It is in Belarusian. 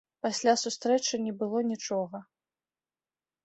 Пасля сустрэчы не было нічога.